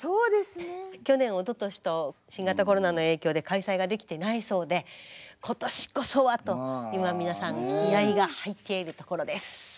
去年おととしと新型コロナの影響で開催ができてないそうで今年こそはと今皆さん気合いが入っているところです。